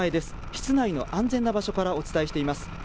室内の安全な場所からお伝えしています。